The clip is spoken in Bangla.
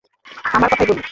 আমার কথাই বলি...